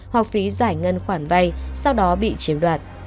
hoặc phí giải ngân khoản vay sau đó bị chiếm đoạt